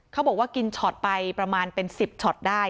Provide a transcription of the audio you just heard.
เขาบอกว่ากินช็อตไปประมาณเป็น๑๐ช็อตได้